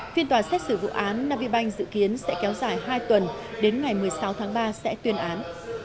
phiên tòa xét xử vụ án navibank dự kiến sẽ kéo dài hai tuần đến ngày một mươi sáu tháng ba sẽ tuyên án